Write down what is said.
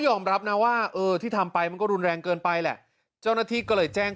ยอมรับนะว่าเออที่ทำไปมันก็รุนแรงเกินไปแหละเจ้าหน้าที่ก็เลยแจ้ง